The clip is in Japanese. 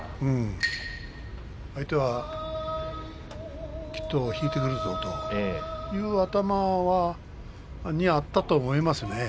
相手はきっと引いてくるぞというのは頭にあったと思いますね。